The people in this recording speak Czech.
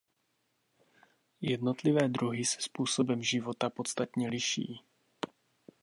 Jednotlivé druhy se způsobem života podstatně liší.